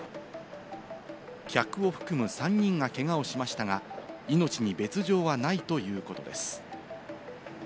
客を含む３人がけがをしましたが、命に別条はないということです。